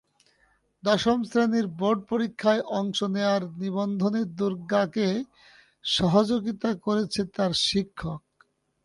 দশম শ্রেণির বোর্ড পরীক্ষায় অংশ নেওয়ার নিবন্ধনে দুর্গাকে সহযোগিতা করছেন তাঁর শিক্ষক।